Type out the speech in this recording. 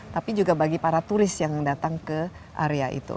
tapi juga bagi para turis yang datang ke area itu